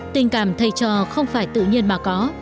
tình cảm thầy trò không phải tự nhiên mà có